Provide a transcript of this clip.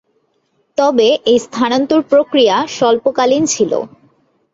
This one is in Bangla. তবে, এ স্থানান্তর প্রক্রিয়া স্বল্পকালীন ছিল।